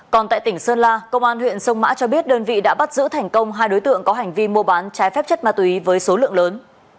còn tại tỉnh sơn la công an huyện sông mã cho biết đơn vị đã bắt giữ thành công hai đối tượng có hành vi mua bán trái phép chất ma túy với số lượng lớn